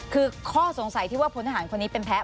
คือข้อสงสัยที่ว่าพลทหารคนนี้เป็นแพ้